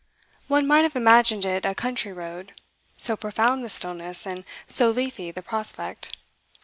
One might have imagined it a country road, so profound the stillness and so leafy the prospect.